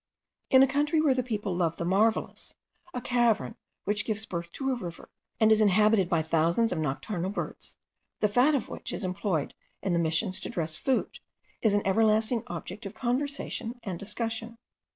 In a country where the people love the marvellous, a cavern which gives birth to a river, and is inhabited by thousands of nocturnal birds, the fat of which is employed in the Missions to dress food, is an everlasting object of conversation and discussion.